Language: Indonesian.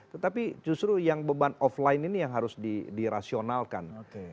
tetapi justru yang beban offline ini yang harus dirasionalkan